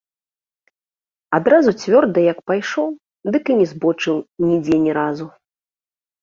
Адразу цвёрда як пайшоў, дык і не збочыў нідзе ні разу.